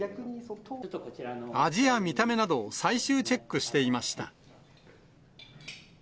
味や見た目などを最終チェックしていました。